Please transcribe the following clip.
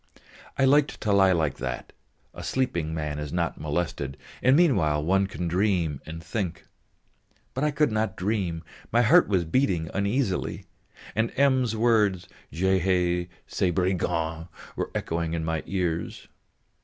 I liked to lie like that; a sleeping man is not molested, and meanwhile one can dream and think. But I could not dream, my heart was beating uneasily, and M.'s words, "Je haïs ces brigands!" were echoing in my ears.